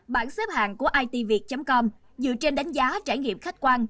bản xếp hạng của itviet com dựa trên đánh giá trải nghiệm khách quan